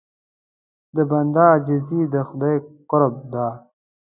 د بنده عاجزي د خدای قرب ده.